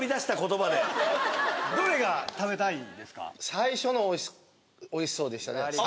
最初のおいしそうでしたね